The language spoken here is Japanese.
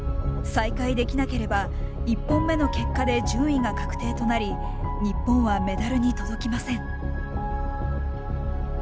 再開できなければ１本目の結果で順位が確定となり日本はメダルに届きません。